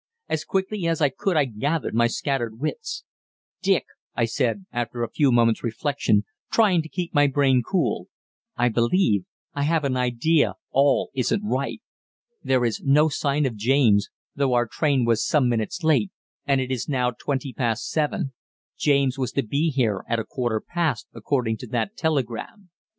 As quickly as I could I gathered my scattered wits: "Dick," I said after a few moments' reflection, trying to keep my brain cool, "I believe I have an idea all isn't right. There is no sign of James, though our train was some minutes late and it is now twenty past seven James was to be here at a quarter past, according to that telegram.